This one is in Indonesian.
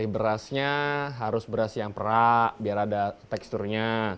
berasnya harus beras yang perak biar ada teksturnya